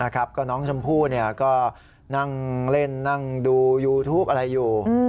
ก็น้องชมพู่ก็นั่งเล่นนั่งดูยูทูปอะไรอยู่